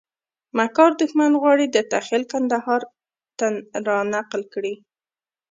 مکار دښمن غواړي دته خېل کندهار ته رانقل کړي.